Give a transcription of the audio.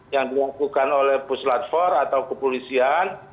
yang diakukan oleh puslatfor atau kepolisian